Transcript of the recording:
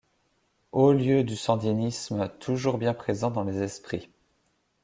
Haut lieu du sandinisme toujours bien présent dans les esprits.